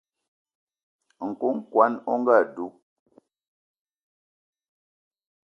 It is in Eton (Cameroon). Nku kwan on ga dug